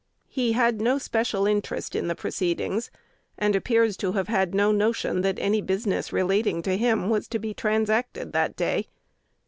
He had no special interest in the proceedings, and appears to have had no notion that any business relating to him was to be transacted that day.